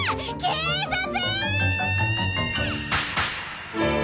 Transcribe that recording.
警察！